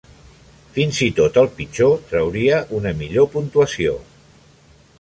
Fins i tot el pitjor trauria una millor puntuació.